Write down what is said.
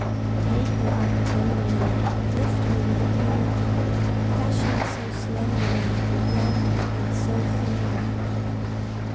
Take her up tenderly, Lift her with care! Fashioned so slenderly, Young, and so fair!